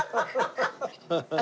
ハハハハ！